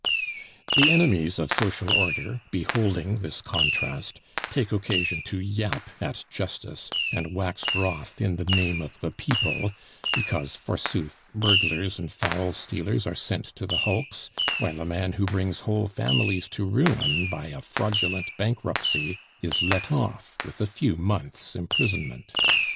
"The enemies of social order, beholding this contrast, take occasion to yap at justice, and wax wroth in the name of the people, because, forsooth, burglars and fowl stealers are sent to the hulks, while a man who brings whole families to ruin by a fraudulent bankruptcy is let off with a few months' imprisonment.